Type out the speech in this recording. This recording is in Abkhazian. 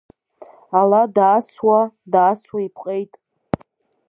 Ала даасуа, даасуа ипҟеит.